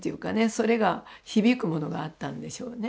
それが響くものがあったんでしょうね